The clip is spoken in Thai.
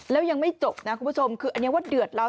แล้วยังไม่จบนะคุณผู้ชมคืออันนี้ว่าเดือดร้อน